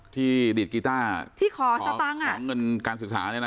ที่ดีดกีตาร์ขอเงินการศึกษานะคะ